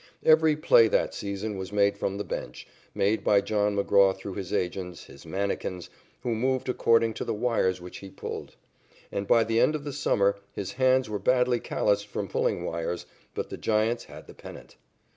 Every play that season was made from the bench, made by John McGraw through his agents, his manikins, who moved according to the wires which he pulled. And by the end of the summer his hands were badly calloused from pulling wires, but the Giants had the pennant.